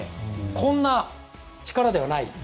こんな力ではない。